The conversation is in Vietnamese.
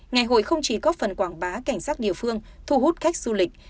ngày hội không chỉ góp phần quảng bá cảnh sát địa phương thu hút khách du lịch